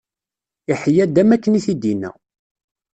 Iḥya-d, am wakken i t-id-inna.